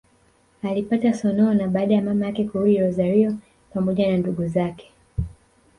Alipata sonona baada ya mama yake kurudi Rosario pamoja na ndugu zake